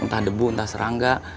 entah debu entah serangga